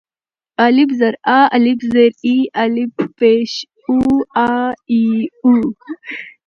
الپ زر آ، الپ زر اي، الپ پېښ أو آآ اي او.